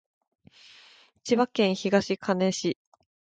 千葉県東金市